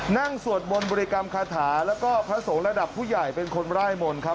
สวดมนต์บริกรรมคาถาแล้วก็พระสงฆ์ระดับผู้ใหญ่เป็นคนร่ายมนต์ครับ